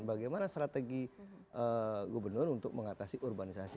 bagaimana strategi gubernur untuk mengatasi urbanisasi